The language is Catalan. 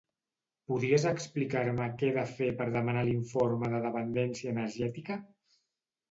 Podries explicar-me què de fer per demanar l'informe de dependència energètica?